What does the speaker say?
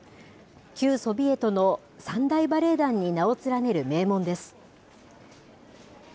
旧ソビエトの３大バレエ団に名を連ねる名門です。